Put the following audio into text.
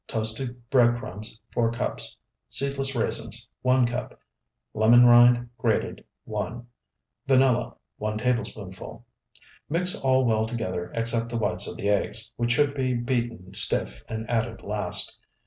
Toasted bread crumbs, 4 cups. Seedless raisins, 1 cup. Lemon rind, grated, 1. Vanilla, 1 tablespoonful. Mix all well together except the whites of the eggs, which should be beaten stiff and added last.